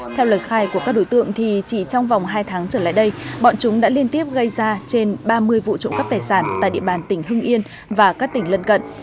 theo lời khai của các đối tượng thì chỉ trong vòng hai tháng trở lại đây bọn chúng đã liên tiếp gây ra trên ba mươi vụ trộm cắp tài sản tại địa bàn tỉnh hưng yên và các tỉnh lân cận